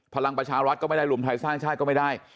พลังประชารัฐก็ไม่ได้รวมไทยสร้างชาติก็ไม่ได้